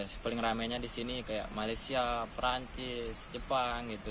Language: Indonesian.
sepaling ramainya di sini kayak malaysia perancis jepang gitu